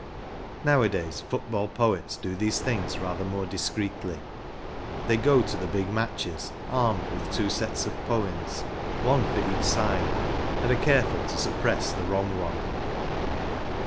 Nowadays Football poets do these things rather more discreetly. They go to big matches armed with two sets of poems, one for each side, and are careful to suppress the wrong one.